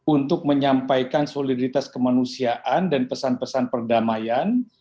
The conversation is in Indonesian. untuk menyampaikan soliditas kemanusiaan dan pesan pesan perdamaian